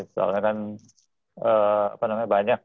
soalnya kan apa namanya banyak